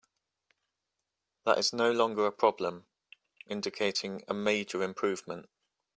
That is no longer a problem, indicating a major improvement.